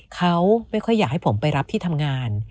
เขาไม่ค่อยอยากให้ผมไปรับที่ทำงาน